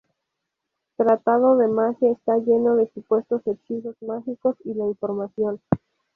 Tratado de magia está lleno de supuestos hechizos mágicos y la información.